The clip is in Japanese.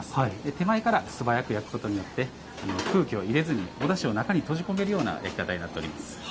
手前から素早く焼くことによって空気を入れずにおだしを中に閉じ込めるような焼き方になっております。